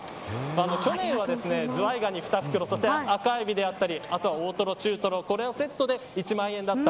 去年は、ズワイガニ２袋そして赤エビだったりあとは大トロ、中トロこれがセットで１万円だった。